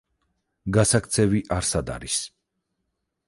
გასაქცევი არსად არის!